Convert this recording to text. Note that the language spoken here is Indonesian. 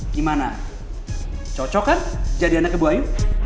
gimana cocok kan jadi anak ibu ayu